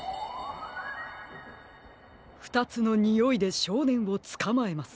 ふたつのにおいでしょうねんをつかまえます。